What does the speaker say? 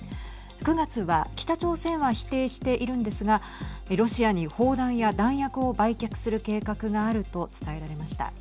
９月は北朝鮮は否定しているんですがロシアに砲弾や弾薬を売却する計画があると伝えられました。